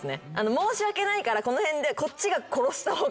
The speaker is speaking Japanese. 申し訳ないからこの辺でこっちが殺した方が楽じゃんみたいな。